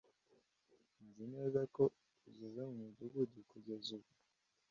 nzi neza ko ageze mu mudugudu kugeza ubu